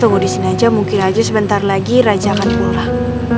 tunggu di sini aja mungkin aja sebentar lagi raja akan pulang